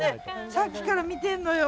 さっきから見てんのよ